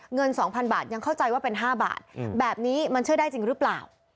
เงิน๒๐๐๐บาทยังเข้าใจว่าเป็น๕บาทแบบนี้มันเชื่อได้จริงหรือเปล่า